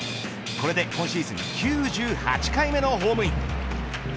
これで今シーズン９８回目のホームイン。